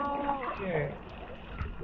ini tadi yang salah apa nih